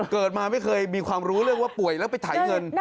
เกิดมาไม่เคยมีความรู้เรื่องว่าป่วยแล้วไปถ่ายเงิน